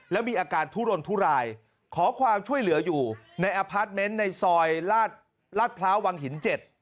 แล้วมีอาการทุรนทุรายขอความช่วยเหลืออยู่ในอพาร์ทเมนต์ในซอยลาดพร้าววังหิน๗